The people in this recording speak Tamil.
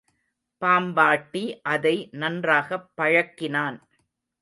பாம்பாட்டி அதை நன்றாகப் பழக்கினான்.